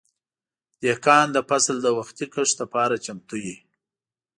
دهقان د فصل د وختي کښت لپاره چمتو وي.